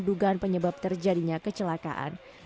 dugaan penyebab terjadinya kecelakaan